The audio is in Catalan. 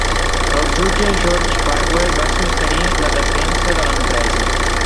El jutge George Farwell va sostenir la defensa de l'empresa.